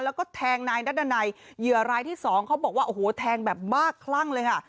แล้วก็แทงนายนัดดันัยเหยื่อรายที่สองเขาบอกว่าโอ้โหแทงแบบบ้าคลั่งเลยค่ะ